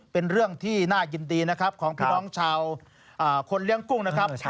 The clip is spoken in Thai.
เป็นเรื่องที่น่ายินดีนะครับของพี่น้องชาวคนเลี้ยงกุ้งนะครับ